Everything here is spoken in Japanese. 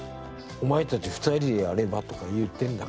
お前たち２人でやれば？とか言ってるんだからね。